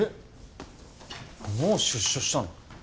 もう出所したの？